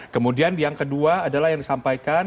kemudian yang kedua adalah yang disampaikan